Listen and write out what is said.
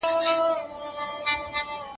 هر گړی ځانته د امن لوری گوري